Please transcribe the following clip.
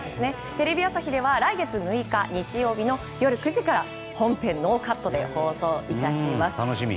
テレビ朝日では来月６日日曜日の夜９時から本編ノーカットで放送します。